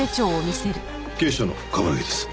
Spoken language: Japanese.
警視庁の冠城です。